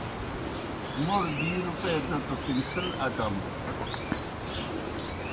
موْڑ بِی روېیئے دہ تو پنسل اٹم۔